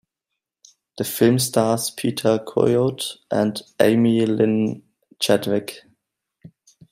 The film stars Peter Coyote and Aimee Lynn Chadwick.